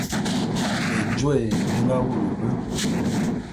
Ejôé é nga wulu be.